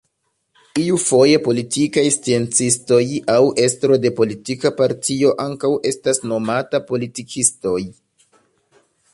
Iufoje politikaj sciencistoj aŭ estro de politika partio ankaŭ estas nomata politikistoj.